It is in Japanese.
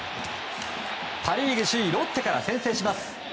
パ・リーグ首位ロッテから先制します。